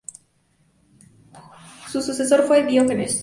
Su sucesor fue Diógenes.